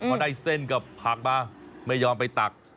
พอได้เส้นกับผักมาไม่ยอมไปตัก